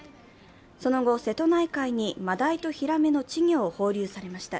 その後、瀬戸内海にマダイとヒラメの稚魚を放流されました。